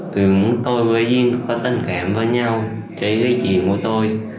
tưởng tôi với duyên có tình cảm với nhau trấy cái chuyện của tôi